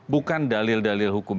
bukan dalil dalil hukum